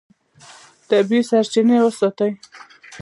طبیعي سرچینې وساتئ.